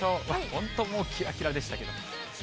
本当もう、きらきらでしたけど。